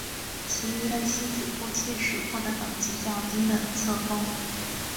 其余的妻子或妾室获得等级较低的册封。